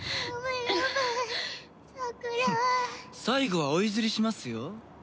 最後はお譲りしますよ。